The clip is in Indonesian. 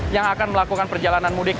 yang akan melakukan perjalanan mudik